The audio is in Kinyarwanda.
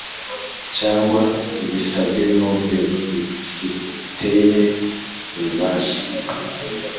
cyangwa rubisabwe n urwego rufiteye ububasha